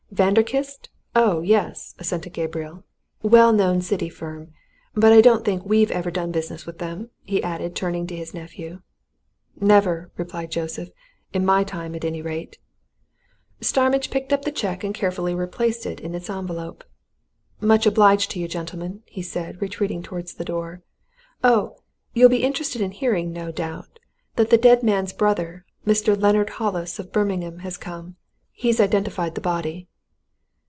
"Vanderkiste? Oh, yes!" assented Gabriel. "Well known city firm. But I don't think we've ever done business with them," he added, turning to his nephew. "Never!" replied Joseph. "In my time, at any rate." Starmidge picked up the cheque and carefully replaced it in its envelope. "Much obliged to you, gentlemen," he said, retreating towards the door. "Oh! you'll be interested in hearing, no doubt, that the dead man's brother, Mr. Leonard Hollis, of Birmingham, has come. He's identified the body."